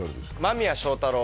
間宮祥太朗